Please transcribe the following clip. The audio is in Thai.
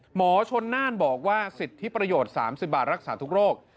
หมอชนน่านบอกว่าสิทธิประโยชน์๓๐บาทรักษาทุกโรค